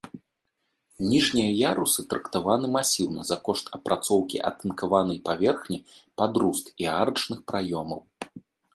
Ніжнія ярусы трактаваны масіўна за кошт апрацоўкі атынкаванай паверхні пад руст і арачных праёмаў.